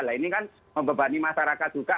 nah ini kan membebani masyarakat juga